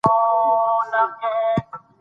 انټرنیټ د ښوونکي او زده کوونکي اړیکه ټینګوي.